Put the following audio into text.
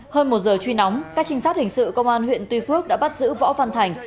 hơn một giờ truy nóng các trinh sát hình sự công an huyện tuy phước đã bắt giữ võ văn thành